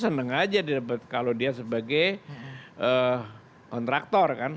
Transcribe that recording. senang saja dia dapat kalau dia sebagai kontraktor kan